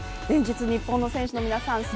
連日日本の選手の皆さん